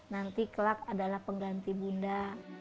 nanti kelak adalah pengganti bunda